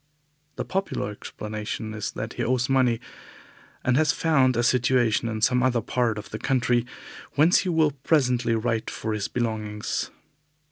The popular explanation is that he owes money, and has found a situation in some other part of the country, whence he will presently write for his belongings.